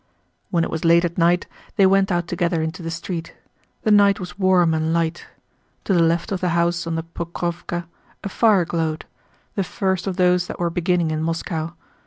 When it was late at night they went out together into the street. The night was warm and light. To the left of the house on the Pokróvka a fire glowed—the first of those that were beginning in Moscow.